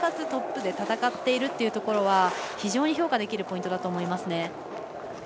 トップで戦っているというのは非常に評価できるポイントだと思いますね。